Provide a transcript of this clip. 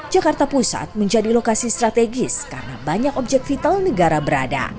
jakarta pusat menjadi lokasi strategis karena banyak objek vital negara berada